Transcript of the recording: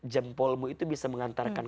jempolmu itu bisa mengantarkan